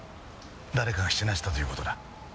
誰かが死なせたという事だ。